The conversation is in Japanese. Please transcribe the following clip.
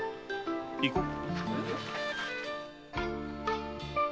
行こう。